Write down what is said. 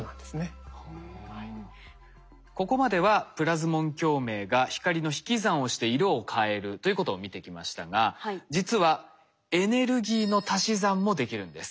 ここまではプラズモン共鳴が光の引き算をして色を変えるということを見てきましたが実はエネルギーの足し算もできるんです。